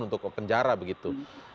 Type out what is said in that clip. untuk penjara begitu